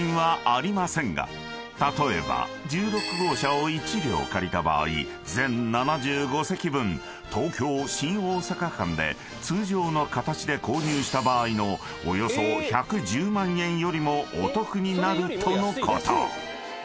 ［例えば１６号車を１両借りた場合全７５席分東京新大阪間で通常の形で購入した場合のおよそ１１０万円よりもお得になるとのこと］